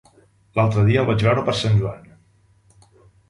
L'altre dia el vaig veure per Sant Joan.